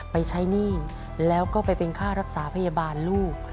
ไปใช้หนี้แล้วก็ไปเป็นค่ารักษาพยาบาลลูก